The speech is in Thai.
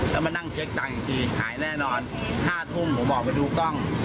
แล้วมานั่งเช็คตังค์อีกทีหายแน่นอน๕ทุ่มผมออกไปดูกล้อง